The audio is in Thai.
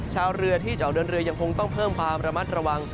ชาวเรือที่จะออกเดินเรือยังคงต้องเพิ่มความระมัดระวัง